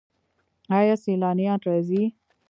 آیا سیلانیان راځي؟